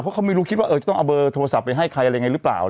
เพราะเขาไม่รู้คิดว่าจะต้องเอาเบอร์โทรศัพท์ไปให้ใครอะไรยังไงหรือเปล่า